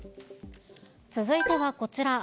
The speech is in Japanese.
続いてはこちら。